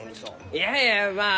いやいやまあ